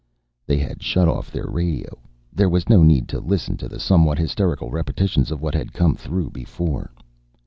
They had shut off their radio. There was no need to listen to the somewhat hysterical repetitions of what had come through before.